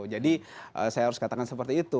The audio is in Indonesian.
jadi saya harus katakan seperti itu